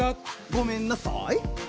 ごめんなさい。